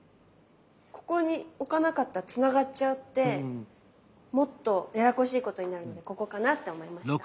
ここに置かなかったらつながっちゃってもっとややこしいことになるのでここかなって思いました。